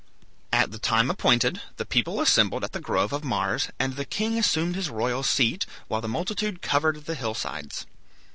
At the time appointed, the people assembled at the grove of Mars, and the king assumed his royal seat, while the multitude covered the hill sides.